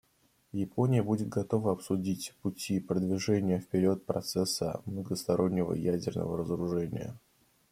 Япония будет готова обсудить пути продвижения вперед процесса многостороннего ядерного разоружения.